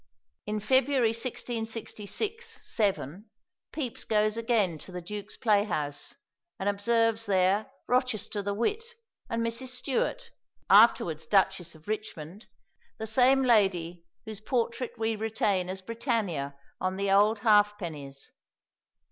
In February 1666 7 Pepys goes again to the Duke's Playhouse, and observes there Rochester the wit and Mrs. Stewart, afterwards Duchess of Richmond, the same lady whose portrait we retain as Britannia on the old halfpennies.